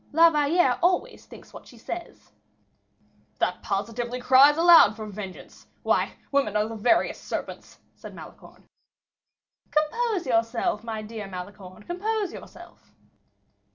"La Valliere always thinks what she says." "That positively cries aloud for vengeance. Why, women are the veriest serpents," said Malicorne. "Compose yourself, my dear Malicorne, compose yourself."